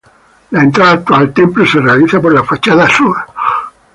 La entrada actual al templo se realiza por la fachada sur.